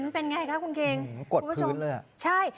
เป็นไงคะคุณเกงอุ้มกวดพื้นเลยอ่ะใช่